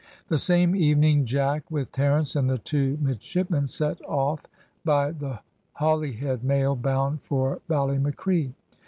The same evening Jack, with Terence and the two midshipmen, set off by the Holyhead mail bound for Ballymacree.